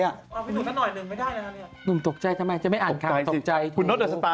รอพี่หนูขั้นน่ะหน่อยหนึ่งไม่ได้นะ